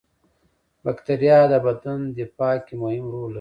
بکتریا د بدن دفاع کې مهم رول لري